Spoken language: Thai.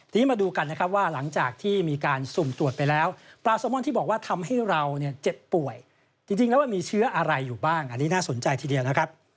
ทีนี้มาดูกันนะครับว่าหลังจากที่มีการสุ่มตรวจไปแล้วปลาซามอนที่บอกว่าทำให้เราเจ็บป่วยจริงแล้วมันมีเชื้ออะไรอยู่บ้างอันนี้น่าสนใจทีเดียวนะครับ